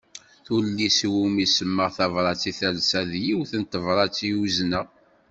Tullist iwumi semmaɣ Tabrat i talsa, d yiwet n tebrat i uzneɣ.